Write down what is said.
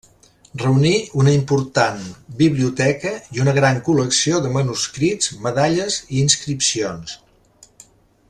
Reunir una important biblioteca i una gran col·lecció de manuscrits, medalles i inscripcions.